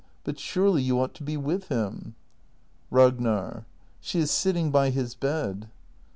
But surely you ought to be with him. Ragnar. S h e is sitting by his bed.